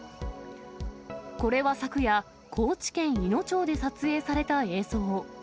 これは昨夜、高知県いの町で撮影された映像。